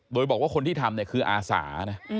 โดยบอกว่าคนที่ทำคืออาสา